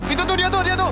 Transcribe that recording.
itu tuh dia tuh dia tuh